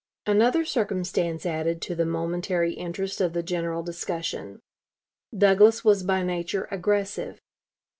Another circumstance added to the momentary interest of the general discussion. Douglas was by nature aggressive.